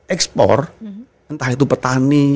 ekspor entah itu petani